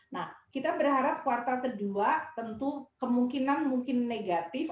nah kita berharap kuartal kedua tentu kemungkinan mungkin negatif